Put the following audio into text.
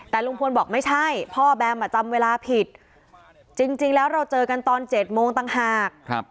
แต่ลุงพลบอกไม่ใช่พ่อแบมอ่ะจำเวลาผิดจริงแล้วเราเจอกันตอน๗โมงต่างหาก